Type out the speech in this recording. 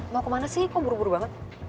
mau kemana sih kok buru buru banget